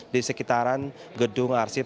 di sekitaran gedung arsip